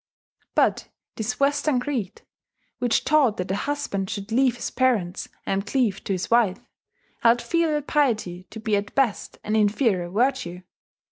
But this Western creed, which taught that a husband should leave his parents and cleave to his wife, held filial piety to be at best an inferior virtue.